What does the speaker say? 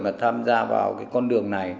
mà tham gia vào con đường này